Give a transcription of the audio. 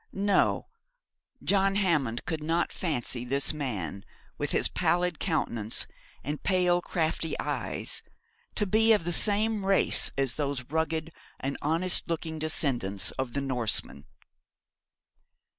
No, John Hammond could not fancy this man, with his pallid countenance and pale crafty eyes, to be of the same race as those rugged and honest looking descendants of the Norsemen.